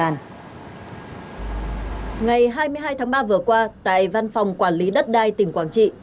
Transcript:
ngày hai mươi hai tháng ba vừa qua tại văn phòng quản lý đất đai tỉnh quảng trị